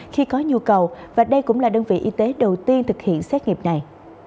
khi có nhu cầu và đây cũng là đơn vị y tế đầu tiên thực hiện xét nghiệm này